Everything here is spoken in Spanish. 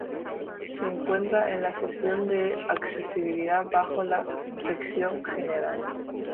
Se encuentra en la sección de Accesibilidad bajo la sección General.